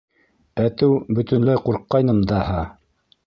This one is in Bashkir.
Әтеү бөтөнләй ҡурҡҡайным даһа.